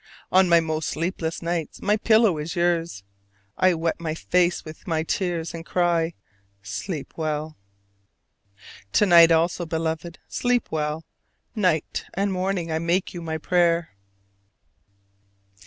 On my most sleepless nights my pillow is yours: I wet your face with my tears and cry, "Sleep well." To night also, Beloved, sleep well! Night and morning I make you my prayer.